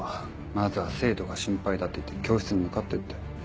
「まずは生徒が心配だ」って言って教室に向かってったよ。